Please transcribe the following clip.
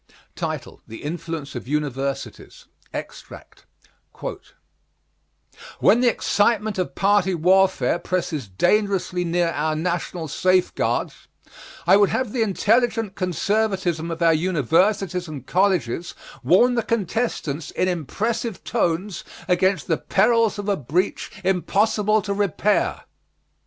THE INFLUENCE OF UNIVERSITIES (Extract) When the excitement of party warfare presses dangerously near our national safeguards, I would have the intelligent conservatism of our universities and colleges warn the contestants in impressive tones against the perils of a breach impossible to repair.